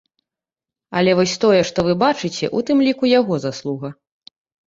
Але вось тое, што вы бачыце, у тым ліку яго заслуга.